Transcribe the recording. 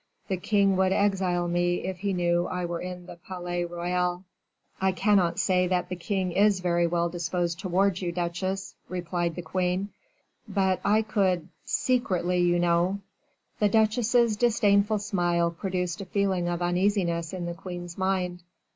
The king would exile me if he knew I were in the Palais Royal." "I cannot say that the king is very well disposed towards you, duchesse," replied the queen; "but I could secretly, you know " The duchesse's disdainful smile produced a feeling of uneasiness in the queen's mind.